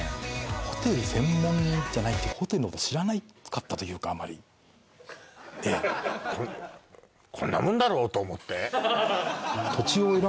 ホテル専門じゃないホテルのこと知らなかったというかあまりと思って？